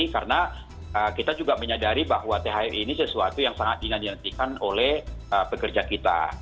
karena kita juga menyadari bahwa thr ini sesuatu yang sangat ingin dinyatikan oleh pekerja kita